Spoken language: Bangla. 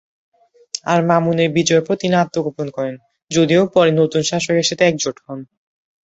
আর মামুনের বিজয়ের পর তিনি আত্মগোপন করেন, যদিও পরে নতুন শাসকের সাথে একজোট হন।